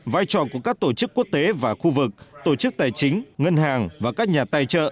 vai trò của các tổ chức quốc tế và khu vực tổ chức tài chính ngân hàng và các nhà tài trợ